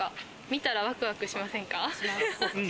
見たら、ワクワクしませんか？